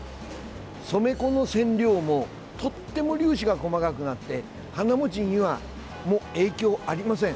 染め粉の染料もとっても粒子が細かくなって花持ちにはもう影響ありません。